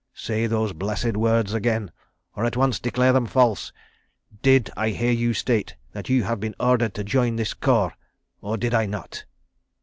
Say those blessed words again—or at once declare them false. ... Did I hear you state that you have been ordered to join this corps—or did I not?"